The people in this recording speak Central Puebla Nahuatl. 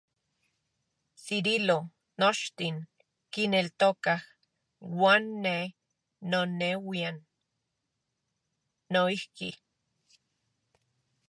Cirilo, nochtin kineltokaj, uan ne noneuian noijki.